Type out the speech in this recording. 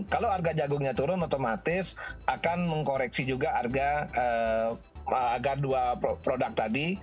kalau harga jagungnya turun otomatis akan mengkoreksi juga agar dua produk tadi